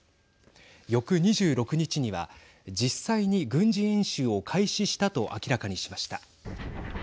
翌２６日には、実際に軍事演習を開始したと明らかにしました。